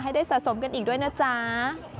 ให้ได้สะสมกันอีกด้วยนะจ๊ะ